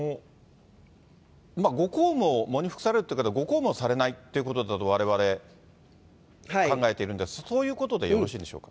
ご公務を、喪に服されるということで、ご公務をされないということだとわれわれ、考えているんですが、そういうことでよろしいでしょうか。